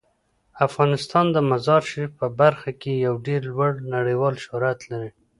افغانستان د مزارشریف په برخه کې یو ډیر لوړ نړیوال شهرت لري.